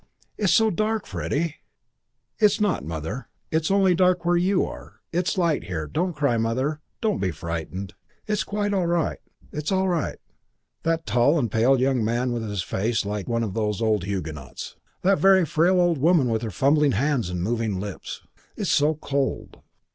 "It's so dark, Freddie." "It's not, Mother. It's only dark where you are. It's light here. Don't cry, Mother. Don't be frightened. It's all right. It's quite all right." That tall and pale young man, with his face like one of the old Huguenots! That very frail old woman with her fumbling hands and moving lips! "It's so cold."